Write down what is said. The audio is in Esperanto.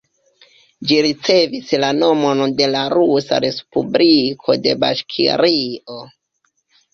Ĝi ricevis la nomon de la rusa respubliko de Baŝkirio.